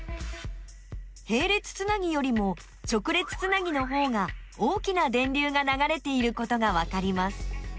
へい列つなぎよりも直列つなぎのほうが大きな電流がながれていることがわかります。